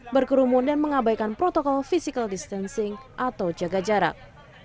berkerumun dan mengabaikan protokol physical distancing atau jaga jarak